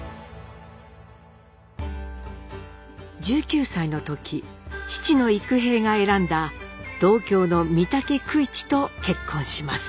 １９歳の時父の幾平が選んだ同郷の三竹九一と結婚します。